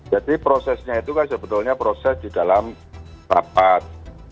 jadi prosesnya itu kan sebetulnya proses di dalam rapat